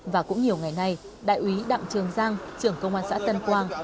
và cũng nhiều ngày nay đại úy đặng trường giang trưởng công an xã tân quang